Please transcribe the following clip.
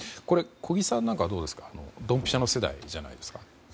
小木さんなんかはドンピシャの世代じゃないですか？